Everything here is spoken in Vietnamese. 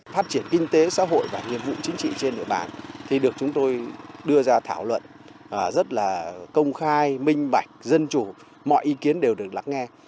phát triển kinh tế xã hội và nhiệm vụ chính trị trên địa bàn thì được chúng tôi đưa ra thảo luận rất là công khai minh bạch dân chủ mọi ý kiến đều được lắng nghe